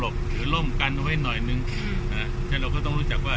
เราก็ต้องหลบหรือล่มกันไว้หน่อยหนึ่งอืมอ่าใช่เราก็ต้องรู้จักว่า